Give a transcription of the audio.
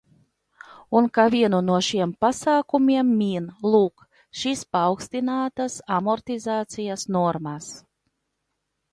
Un kā vienu no šiem pasākumiem min, lūk, šīs paaugstinātās amortizācijas normas.